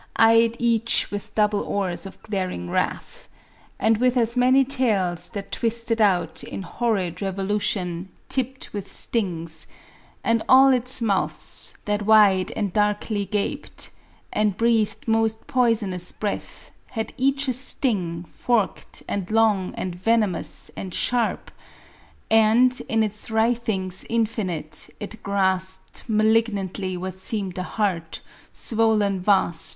Eyed each with double orbs of glaring wrath ; And with as many tails, that twisted out In horrid revolution, tipped with stings ; And all it* mouiht, that wide and darkly gaped, And breathed most poisonous breath, htul each a sting Forked, and long, and venomous, and sharp ; And, in its writbings infinite, it grasped Malignantly what seemed a heart, swollen vast.